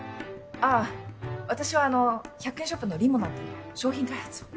ああ私は１００円ショップのリモナっていう商品開発を。